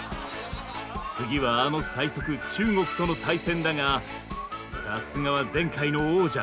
次はあの最速中国との対戦だがさすがは前回の王者。